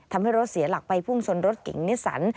ทำให้รถเสียหลักไปพุ่งชนรถเก่งนิสสัน